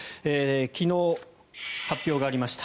昨日、発表がありました。